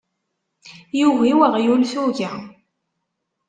Yugi weɣyul tuga.